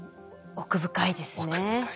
奥深いです。